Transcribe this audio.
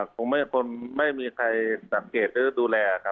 คงเป็นคนไม่มีใครดับเกตหรือดูแรก